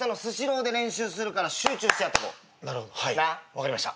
分かりました。